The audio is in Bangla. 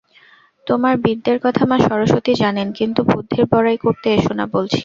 তোমার বিদ্যের কথা মা সরস্বতী জানেন, কিন্তু বুদ্ধির বড়াই করতে এসো না বলছি।